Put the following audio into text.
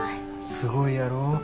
すごいやろ。